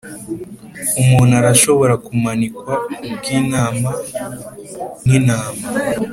umuntu arashobora kumanikwa kubwintama nkintama